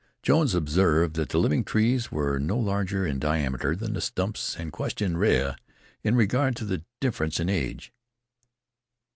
Jones observed that the living trees were no larger in diameter than the stumps, and questioned Rea in regard to the difference in age.